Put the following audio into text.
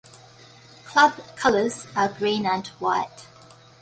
Club colours are green and white.